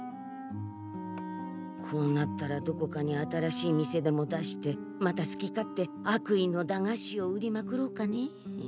こうなったらどこかに新しい店でも出してまた好き勝手悪意の駄菓子を売りまくろうかねえ。